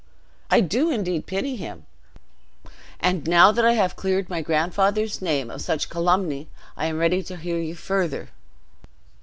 I do indeed pity him. And now that I have cleared my grandfather's name of such calumny, I am ready to hear you further."